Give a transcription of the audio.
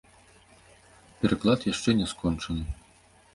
Пераклад яшчэ не скончаны.